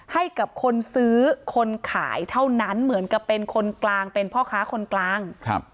ให้กับคนซื้อคนขายเท่านั้นเหมือนกับเป็นคนกลางเป็นพ่อค้าคนกลาง